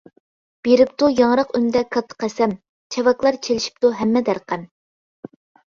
بېرىپتۇ ياڭراق ئۈندە كاتتا قەسەم، چاۋاكلار چېلىشىپتۇ ھەممە دەرقەم!